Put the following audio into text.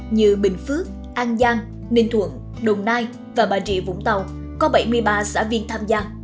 như bình phước an giang ninh thuận đồng nai và bà rịa vũng tàu có bảy mươi ba xã viên tham gia